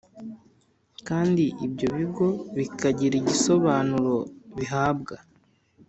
kandi ibyo bigo bikagira igisobanuro bihabwa